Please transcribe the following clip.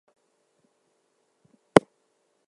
The streets were full of people shouting: Juden raus!